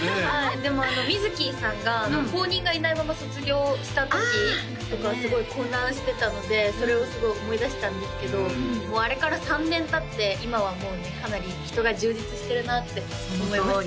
でもみづきーさんが後任がいないまま卒業したときとかすごい混乱してたのでそれをすごい思い出したんですけどもうあれから３年たって今はもうねかなり人が充実してるなって思いました